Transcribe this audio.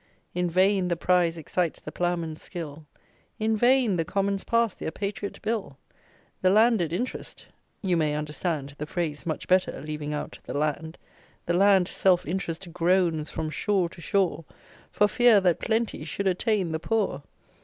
In vain the prize excites the ploughman's skill, In vain the Commons pass their patriot Bill; The Landed Interest (you may understand The phrase much better leaving out the Land) The land self interest groans from shore to shore, For fear that plenty should attain the poor.